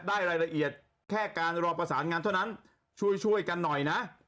รายละเอียดแค่การรอประสานงานเท่านั้นช่วยช่วยกันหน่อยนะ